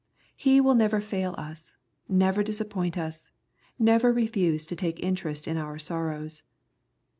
He will never fail us, never disappoint us, never refuse to take interest in our sorrows.